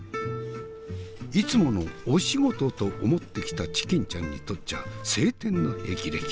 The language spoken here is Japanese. いつものお仕事と思って来たチキンちゃんにとっちゃ青天のへきれき。